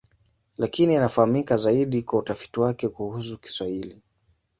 Lakini anafahamika zaidi kwa utafiti wake kuhusu Kiswahili.